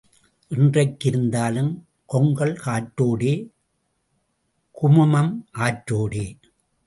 என்றைக்கு இருந்தாலும் கொங்கல் காற்றோடே, குமுமம் ஆற்றோடே.